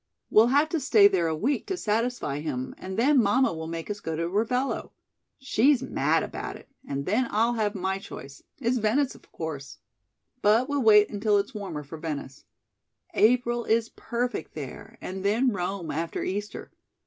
We'll have to stay there a week to satisfy him, and then mamma will make us go to Ravello. She's mad about it; and then I'll have my choice it's Venice, of course; but we'll wait until it's warmer for Venice. April is perfect there, and then Rome after Easter.